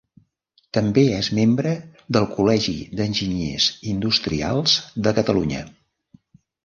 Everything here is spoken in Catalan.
També és membre del Col·legi d'Enginyers Industrials de Catalunya.